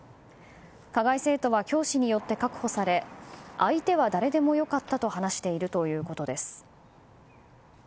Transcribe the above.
加害生徒は教師によって確保され相手は誰でもよかったと話しているということです。